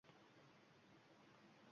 Yurash derazaga yaqin keldi-da: